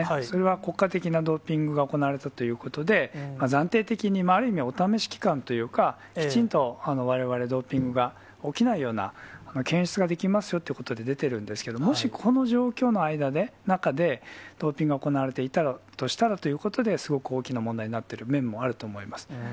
それは国家的なドーピングが行われたということで、暫定的に、ある意味お試し期間というか、きちんとわれわれドーピングが起きないような、検出ができますよということで出てるんですけれども、もしこの状況の中で、ドーピングが行われていたとしたらと、すごく大きな問題になっている面もあると思います。